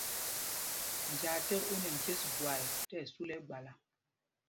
Njāā ték u nɛ njes gwal tí ɛsu lɛ ɛgbala.